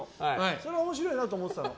それは面白いなと思ってたの。